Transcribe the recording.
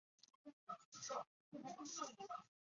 泡核桃为胡桃科胡桃属下的一个种。